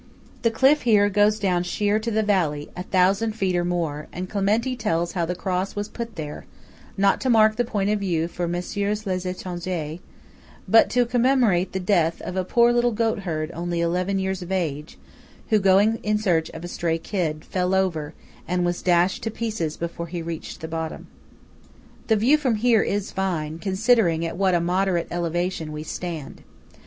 The cliff here goes sheer down to the valley, a thousand feet or more; and Clementi tells how the cross was put there, not to mark the point of view for "Messieurs les Étrangers;" but to commemorate the death of a poor little goat herd only eleven years of age, who, going in search of a stray kid, fell over, and was dashed to pieces before he reached the bottom. The view from here is fine, considering at what a moderate elevation we stand.